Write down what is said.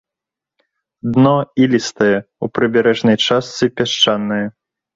Дно ілістае, у прыбярэжнай частцы пясчанае.